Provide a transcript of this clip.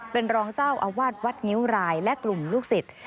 เป็นรองเจ้าอาวาสวัดงิ้วรายและกลุ่มลูกศิษย์